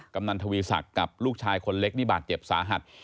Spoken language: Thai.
กำนันทวีศักดิ์กับลูกชายคนเล็กนี่บาดเจ็บสาหัส